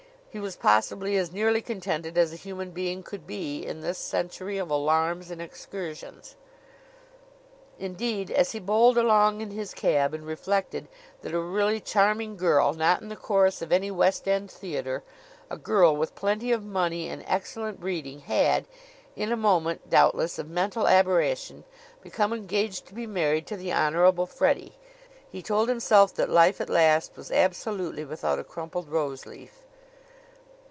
He was possibly as nearly contented as a human being could be in this century of alarms and excursions. Indeed, as he bowled along in his cab and reflected that a really charming girl, not in the chorus of any West End theater, a girl with plenty of money and excellent breeding, had in a moment, doubtless, of mental aberration become engaged to be married to the Honorable Freddie, he told himself that life at last was absolutely without a crumpled rose leaf.